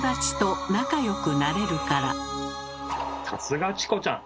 さすがチコちゃん！